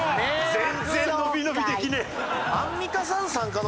全然伸び伸びできねえ。